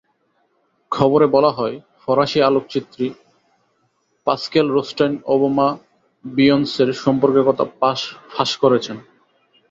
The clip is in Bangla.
খবরে বলা হয়, ফরাসি আলোকচিত্রী পাসকেল রোস্টাইন ওবামা-বিয়ন্সের সম্পর্কের কথা ফাঁস করেছেন।